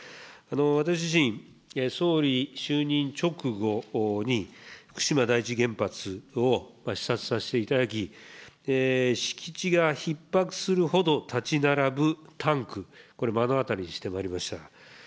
私自身、総理就任直後に、福島第一原発を視察させていただき、敷地がひっ迫するほど立ち並ぶタンク、これ、目の当たりにしてまいりました。